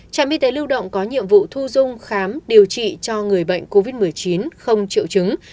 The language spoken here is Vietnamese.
trạm y tế lưu động có nhiệm vụ thu dung khám điều trị cho người bệnh covid một mươi chín không triệu chứng